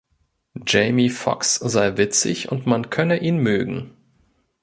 Jamie Foxx sei witzig und man könne ihn mögen.